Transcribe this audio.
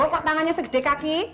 kok tangannya segede kaki